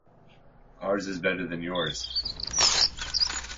Ours is better than yours.